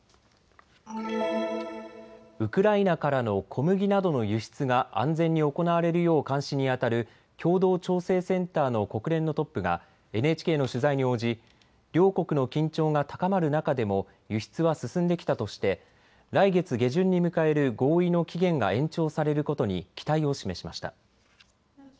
ウクライナからの小麦などの輸出が安全に行われるよう監視にあたる共同調整センターの国連のトップがＮＨＫの取材に応じ両国の緊張が高まる中でも輸出は進んできたとして来月下旬に迎える合意の期限が延長されることに期待を示しました。